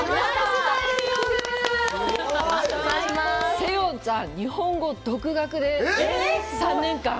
セヨンちゃん、日本語、独学で３年間。